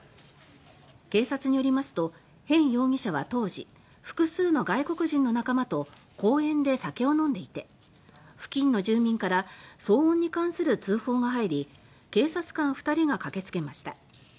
警察によりますとヘン容疑者は当時複数の外国人の仲間と公園で酒を飲んでいて付近の住民から騒音に関する通報が入り警察官２人が駆けつけました。